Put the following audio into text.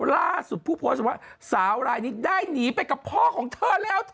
ล่าสุดผู้โพสต์บอกว่าสาวรายนี้ได้หนีไปกับพ่อของเธอแล้วเธอ